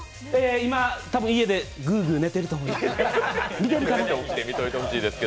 今、多分家でグーグー寝てると思います。